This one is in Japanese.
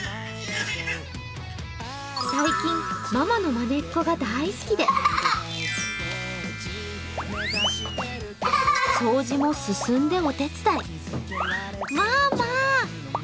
最近、ママのまねっこが大好きで掃除も進んでお手伝い。